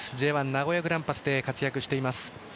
Ｊ１、名古屋グランパスで活躍しています。